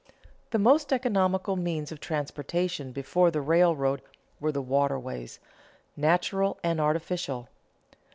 _The most economical means of transportation before the railroad were the waterways, natural and artificial.